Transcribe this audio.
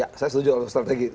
ya saya setuju strategi